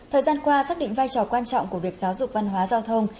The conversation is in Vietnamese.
thời gian qua xác định vai trò quan trọng của việc giáo dục văn hóa giao thông